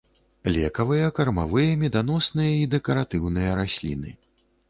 Лекавыя, кармавыя, меданосныя і дэкаратыўныя расліны.